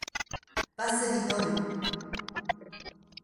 バスに乗る。